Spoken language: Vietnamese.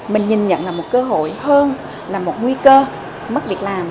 mình nhìn nhận là một cơ hội hơn là một nguy cơ mất việc làm